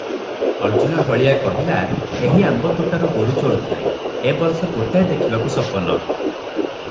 "ଅର୍ଜ୍ଜୁନା ହଳିଆ କହିଲା, "ଏହି ଆମ୍ବ ତୋଟାରେ ଗୋରୁ ଚରୁଥିଲେ, ଏ ବରଷ ଗୋଟାଏ ଦେଖିବାକୁ ସପନ ।